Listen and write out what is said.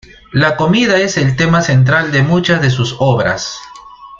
La comida es el tema central de muchas de sus obras.